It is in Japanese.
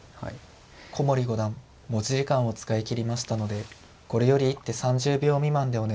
古森五段持ち時間を使い切りましたのでこれより一手３０秒未満でお願いします。